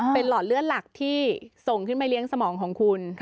เป็นหลอดเลือดหลักที่ส่งขึ้นไปเลี้ยงสมองของคุณ